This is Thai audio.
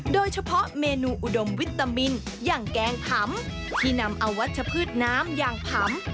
โดยเฉพาะเมนูอุดมวิตามินอย่างแกงผำที่นำเอาวัชพืชน้ำอย่างผำ